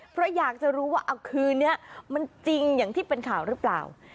เพราะอยากจะรู้ว่าเอาคืนนี้มันจริงอย่างที่เป็นข่าวหรือเปล่า